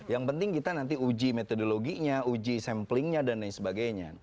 yang penting kita nanti uji metodologinya uji samplingnya dan lain sebagainya